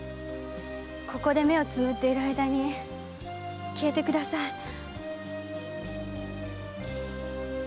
ここで目をつぶっている間に消えてください。